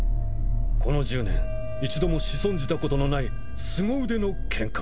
この１０年一度も仕損じたことのないすご腕の剣客です。